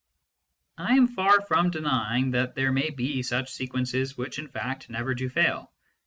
I am far from denying that there may be such sequences which in fact never do fail.